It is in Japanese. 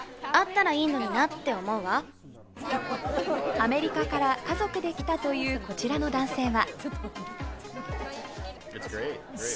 アメリカから、家族で来たというこちらの男性は。